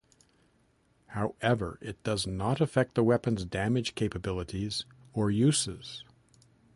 However, it does not affect the weapon's damage capabilities or uses.